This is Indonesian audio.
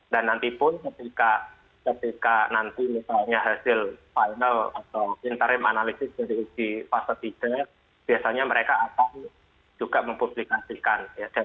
dan nantipun ketika nanti misalnya hasil final atau interim analysis dari uji pfizer tidak biasanya mereka akan juga mempublikasikan